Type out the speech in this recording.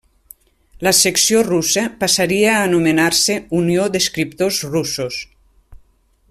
La secció russa passaria a anomenar-se Unió d'Escriptors Russos.